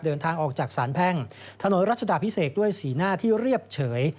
เดินทางออกจากสารแพ่งถนนรัชดาพิเศษด้วยสีหน้าที่เรียบเฉย